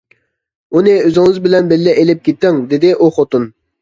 ئۇنى ئۆزىڭىز بىلەن بىللە ئېلىپ كېتىڭ، دېدى ئۇ خوتۇن.